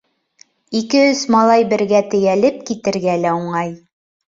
Ике-өс малай бергә тейәлеп китергә лә уңай.